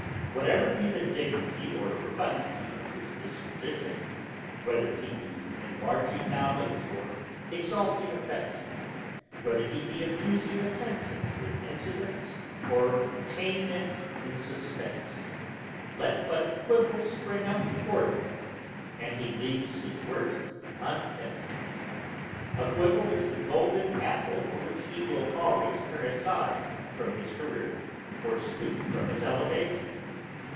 Whatever be the dignity or profundity of his disquisition, whether he be enlarging knowledge or exalting affection, whether he be amusing attention with incidents, or enchaining it in suspense, let but a quibble spring up before him, and he leaves his work unfinished. A quibble is the golden apple for which he will always turn aside from his career, or stoop from his elevation.